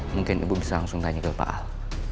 mungkin ibu bisa langsung tanya ke pak al